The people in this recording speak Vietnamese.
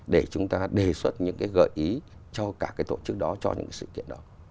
để chúng ta đề xuất những cái gợi ý cho cả cái tổ chức đó cho những cái sự kiện đó